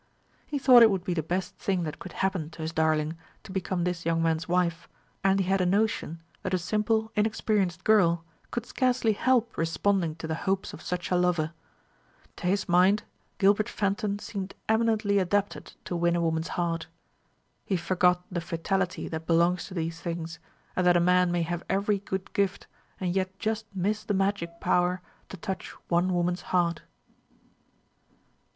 He thought it would be the best thing that could happen to his darling to become this young man's wife, and he had a notion that a simple, inexperienced girl could scarcely help responding to the hopes of such a lover. To his mind Gilbert Fenton seemed eminently adapted to win a woman's heart. He forgot the fatality that belongs to these things, and that a man may have every good gift, and yet just miss the magic power to touch one woman's heart.